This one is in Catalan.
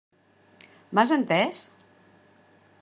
M'has entès?